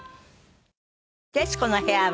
『徹子の部屋』は